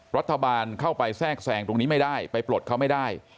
รัฐบาลเข้าไปแทรกแทรงตรงนี้ไม่ได้ไปปลดเขาไม่ได้